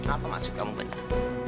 apa maksud kamu benar